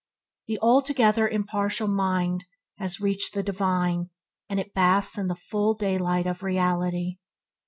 The altogether impartial mind has reached the divine, and it basks in the full daylight of Reality.